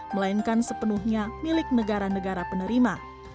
melainkan sepenuhnya milik negara negara penerima